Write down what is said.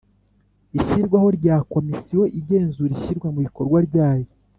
ishyirwaho rya komisiyo igenzura ishyirwa mu bikorwa ryayo